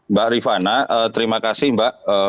mbak rifana terima kasih mbak